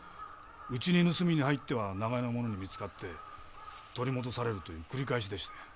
うちに盗みに入っては長屋の者に見つかって取り戻されるという繰り返しでして。